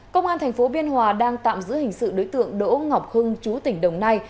công an tp biên hòa đang tạm giữ hình sự đối tượng đỗ ngọc hưng chú tỉnh đồng nai